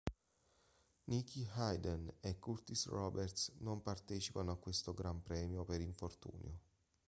Nicky Hayden e Kurtis Roberts non partecipano a questo Gran Premio per infortunio.